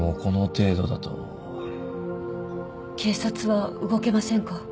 警察は動けませんか？